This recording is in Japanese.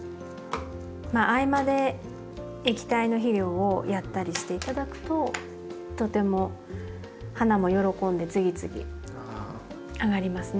まあ合間で液体の肥料をやったりして頂くととても花も喜んで次々あがりますね。